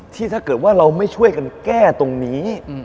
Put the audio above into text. ถ้าเกิดว่าเราไม่ช่วยกันแก้ตรงนี้